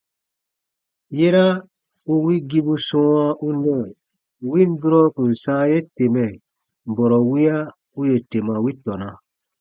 Yera u wigibu sɔ̃ɔwa u nɛɛ win durɔ kùn sãa ye temɛ, bɔrɔ wiya u yè tema wi tɔna.